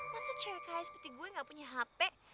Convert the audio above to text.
masa cerikai seperti gue nggak punya hp